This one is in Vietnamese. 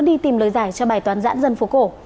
đi tìm lời giải cho bài toán giãn dân phố cổ